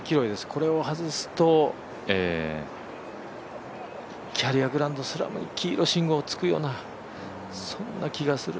これを外すとキャリアグランドスラム黄色信号、つくようなそんな気がする。